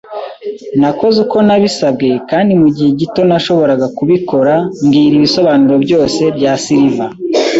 Nakoze uko nabisabwe, kandi mugihe gito nashoboraga kubikora, mbwira ibisobanuro byose bya Silver